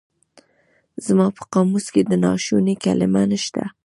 زما په قاموس کې د ناشوني کلمه نشته.